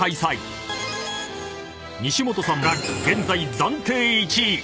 ［西本さんが現在暫定１位］